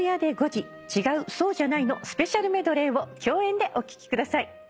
『違う、そうじゃない』のスペシャルメドレーを共演でお聴きください。